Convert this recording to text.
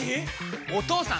お義父さん！